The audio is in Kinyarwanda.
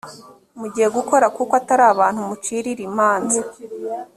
mugiye gukora kuko atari abantu mucirira imanza